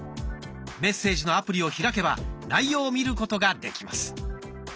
メッセージのアプリを開けば内容を見ることができます。